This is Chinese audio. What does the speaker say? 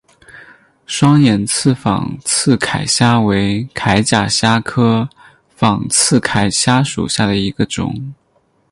双眼刺仿刺铠虾为铠甲虾科仿刺铠虾属下的一个种。